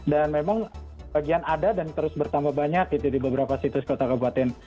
dan memang bagian ada dan terus bertambah banyak gitu di beberapa situs kota kabupaten